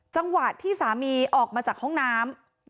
จังหวะที่สามีออกมาจากห้องน้ำ